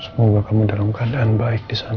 semoga kamu dalam keadaan baik di sana